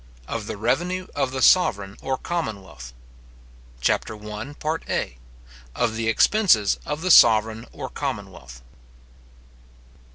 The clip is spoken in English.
OF THE REVENUE OF THE SOVEREIGN OR COMMONWEALTH CHAPTER I. OF THE EXPENSES OF THE SOVEREIGN OR COMMONWEALTH.